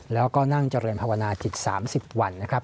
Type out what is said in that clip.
แล้วก็นั่งเจริญภาวนาจิต๓๐วันนะครับ